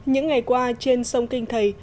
những ngày qua trên sông kinh thầy